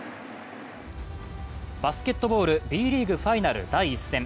バスケットボール、Ｂリーグファイナル第１戦。